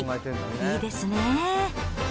いいですね。